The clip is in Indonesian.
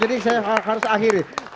jadi saya harus akhiri